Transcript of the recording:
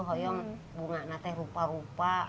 kalau bunga nanti rupa rupa